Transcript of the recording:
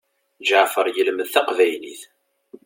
Ǧeɛfer yelmed taqbaylit.